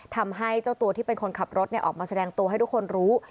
ทำให้เจ้าตัวที่เป็นคนขับรถออกมาแสดงตัวให้ทุกคนรู้